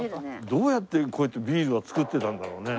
どうやってこれでビールを造ってたんだろうね？